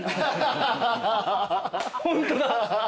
ホントだ。